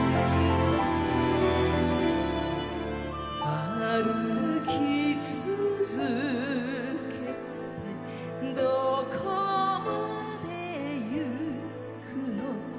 歩きつづけてどこまでゆくの？